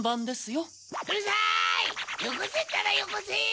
よこせったらよこせ！